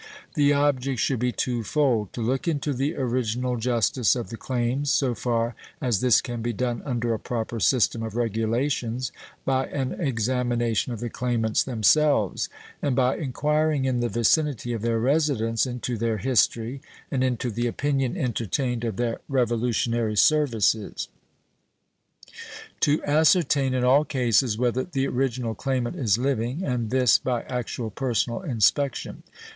The object should be two fold: To look into the original justice of the claims, so far as this can be done under a proper system of regulations, by an examination of the claimants themselves and by inquiring in the vicinity of their residence into their history and into the opinion entertained of their Revolutionary services. To ascertain in all cases whether the original claimant is living and this by actual personal inspection.